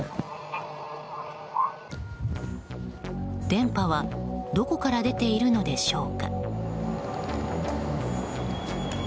電波はどこから出ているのでしょうか。